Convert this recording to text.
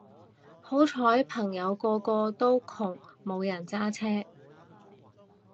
好彩朋友個個都窮冇人揸車